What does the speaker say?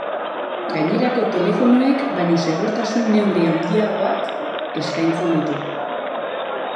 Gainerako telefonoek baino segurtasun neurri handiagoak eskaintzen ditu.